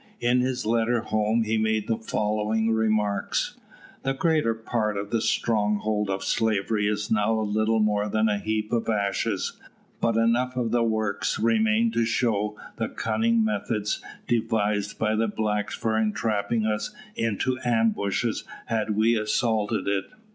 In his letter home he made the following remarks: "The greater part of the stronghold of slavery is now little more than a heap of ashes; but enough of the works remain to show the cunning methods devised by the blacks for entrapping us into ambushes had we assaulted it.